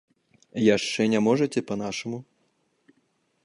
Яшчэ не можаце па-нашаму?